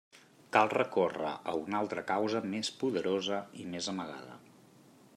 Cal recórrer a una altra causa més poderosa i més amagada.